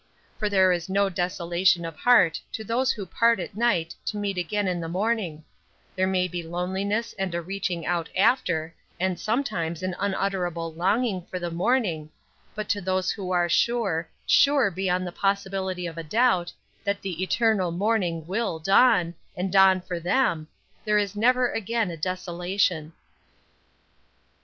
For there is no desolation of heart to those who part at night to meet again in the morning; there may be loneliness and a reaching out after, and sometimes an unutterable longing for the morning, but to those who are sure, sure beyond the possibility of a doubt, that the eternal morning will dawn, and dawn for them, there is never again a desolation.